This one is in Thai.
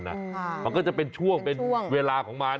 มันก็จะเป็นช่วงเป็นเวลาของมัน